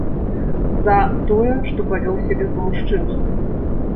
За, тое, што павёў сябе па-мужчынску.